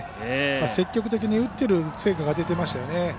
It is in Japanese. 積極的に打っている成果が出てましたよね。